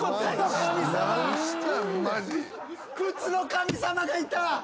靴の神様がいた。